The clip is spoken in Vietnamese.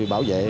và bảo vệ